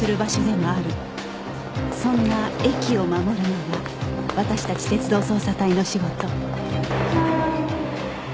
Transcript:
そんな駅を守るのが私たち鉄道捜査隊の仕事